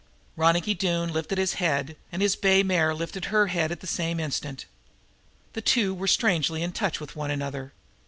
Ronicky Doone lifted his head, and his bay mare lifted her head at the same instant. The two were strangely in touch with one another.